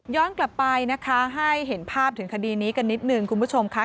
กลับไปนะคะให้เห็นภาพถึงคดีนี้กันนิดนึงคุณผู้ชมค่ะ